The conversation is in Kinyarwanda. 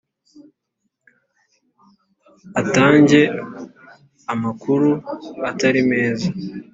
atange amakuru atari meza,